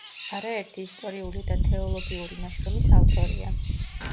არაერთი ისტორიული და თეოლოგიური ნაშრომის ავტორია.